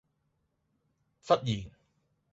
忽然